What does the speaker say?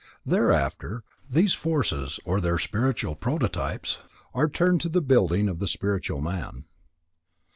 Thereafter, these forces, or their spiritual prototypes, are turned to the building of the spiritual man.